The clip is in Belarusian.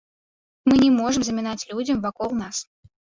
Мы не можам замінаць людзям вакол нас.